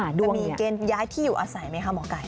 ดูมีเกณฑ์ย้ายที่อยู่อาศัยไหมคะหมอไก่